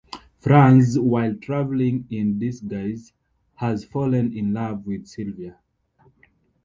Franz, while travelling in disguise, has fallen in love with Sylvia.